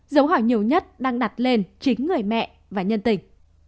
dấu hỏi nhiều nhất đang đặt lên chính người mẹ và nhân tình